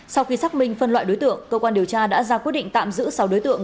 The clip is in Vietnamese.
sau khi xác minh phân loại đối tượng cơ quan điều tra đã ra quyết định tạm giữ sáu đối tượng